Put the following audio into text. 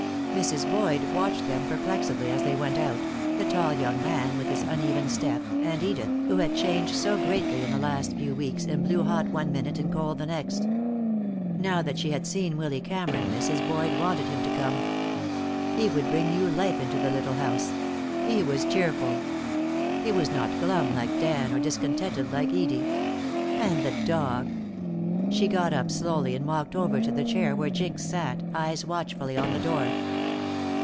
Mrs. Boyd watched them perplexedly as they went out, the tall young man with his uneven step, and Edith, who had changed so greatly in the last few weeks, and blew hot one minute and cold the next. Now that she had seen Willy Cameron, Mrs. Boyd wanted him to come. He would bring new life into the little house. He was cheerful. He was not glum like Dan or discontented like Edie. And the dog She got up slowly and walked over to the chair where Jinx sat, eyes watchfully on the door.